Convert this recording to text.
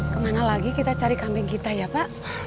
kemana lagi kita cari kambing kita ya pak